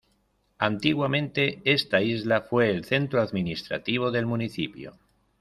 Antiguamente esta isla fue el centro administrativo del municipio.